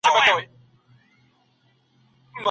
کمپيوټر سمارټ ښار جوړوي.